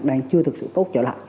đang chưa thực sự tốt trở lại